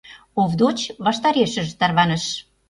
Овдоч ваштарешыже тарваныш.